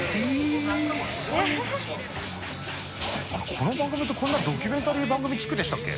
この番組ってこんなにドキュメンタリー番組チックでしたっけ？